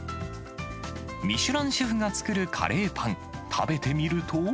ミシュランシェフが作るカレーパン、食べてみると。